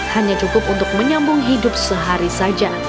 hanya cukup untuk menyambung hidup sehari saja